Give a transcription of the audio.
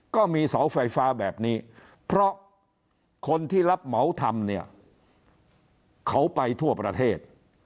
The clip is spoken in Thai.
ก็มีเสาไฟฟ้าแบบนี้เพราะคนที่รับเหมาทำเนี่ยเขาไปทั่วประเทศ